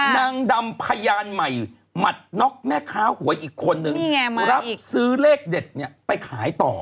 นางดำพยานใหม่หมัดน็อกแม่ค้าหวยอีกคนนึงรับซื้อเลขเด็ดเนี่ยไปขายต่อ